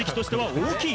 大きい！